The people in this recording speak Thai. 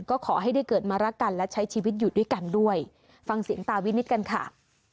ก็ขอให้ได้เกิดมารักกันและใช้ชีวิตอยู่ด้วยกันด้วยฟังเสียงตาวินิตกันค่ะ